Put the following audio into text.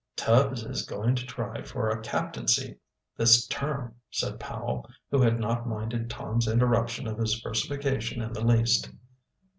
"Tubbs is going to try for a captaincy this term," said Powell, who had not minded Tom's interruption of his versification in the least.